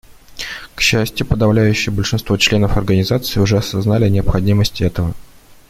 К счастью, подавляющее большинство членов Организации уже осознали необходимость этого.